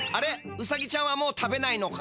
うさぎちゃんはもう食べないのか？